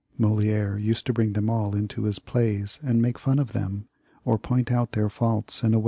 Moli^re used to bring them all into his plays and make fun of them, or point out whicli wa.